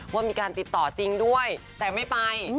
ว่ามีการติดต่อจริงด้วยแต่ไม่ไป